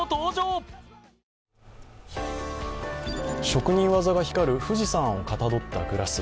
職人技が光る富士山をかたどったグラス。